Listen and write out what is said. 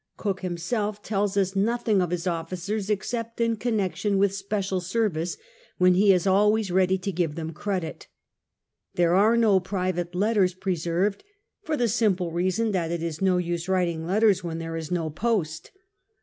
Cook himself tells us nothing of his officers except in connection with special service, when he is always ready to give them credit. There are no private letters pre served, for the simple reason that it is no use writing letters when there is no post.